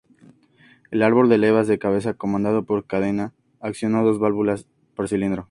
El árbol de levas de cabeza comandado por cadena acciona dos válvulas por cilindro.